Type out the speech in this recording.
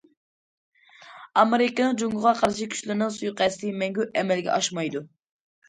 ئامېرىكىنىڭ جۇڭگوغا قارشى كۈچلىرىنىڭ سۇيىقەستى مەڭگۈ ئەمەلگە ئاشمايدۇ.